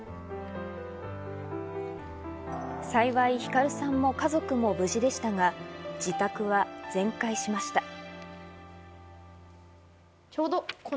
幸いひかるさんも家族も無事でしたが、自宅は全壊しました。